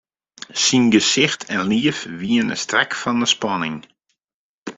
Syn gesicht en liif wiene strak fan 'e spanning.